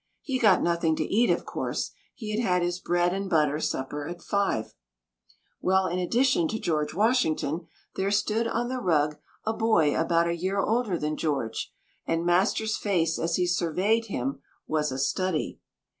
He got nothing to eat, of course. He had had his bread and butter supper at five. Well, in addition to George Washington, there stood on the rug a boy about a year older than George, and master's face as he surveyed him was a study.